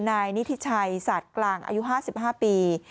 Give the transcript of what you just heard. นายนิทิชัยศาสตร์กลางอายุ๕๕ปี